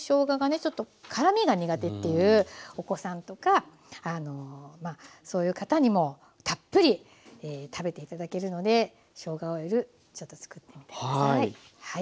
ちょっと辛みが苦手っていうお子さんとかそういう方にもたっぷり食べて頂けるのでしょうがオイルちょっと作ってみて下さい。